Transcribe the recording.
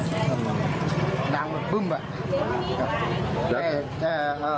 มันก็ดังแบบอย่างเงี้ยครับดังแบบ